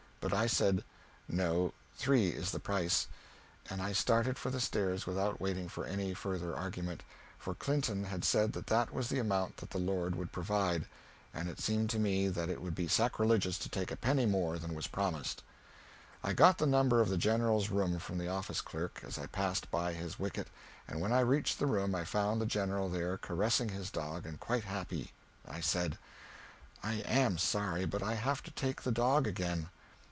But I said, "No, three is the price" and I started for the stairs without waiting for any further argument, for Clinton had said that that was the amount that the Lord would provide, and it seemed to me that it would be sacrilegious to take a penny more than was promised. I got the number of the General's room from the office clerk, as I passed by his wicket, and when I reached the room I found the General there caressing his dog, and quite happy. I said, "I am sorry, but I have to take the dog again."